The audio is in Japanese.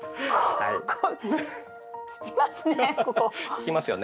効きますよね。